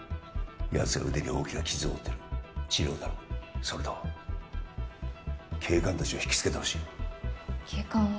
やつは腕に大きな傷を負ってる治療を頼むそれと警官達をひきつけてほしい警官を？